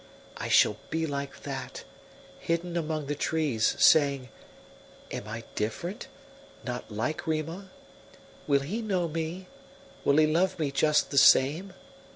I shall be like that, hidden among the trees, saying: 'Am I different not like Rima? Will he know me will he love me just the same?